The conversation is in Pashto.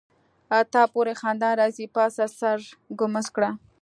تا پوری خندا راځي پاڅه سر ګمنځ کړه.